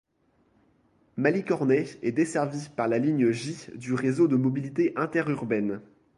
Malicornay est desservie par la ligne J du Réseau de mobilité interurbaine.